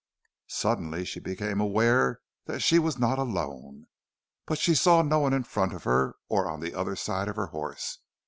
Suddenly she became aware that she was not alone. But she saw no one in front of her or on the other side of her horse.